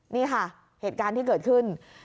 นี่ค่ะเหตุการณ์ที่เกิดขึ้น